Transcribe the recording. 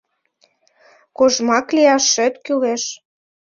Кожмак лияшет кӱлеш.